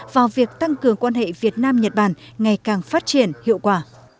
vào việc tăng cường quan hệ việt nam nhật bản ngày càng phát triển hiệu quả